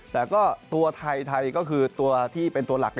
แต่ก็ตัวไทยก็คือตัวที่เป็นตัวหลัก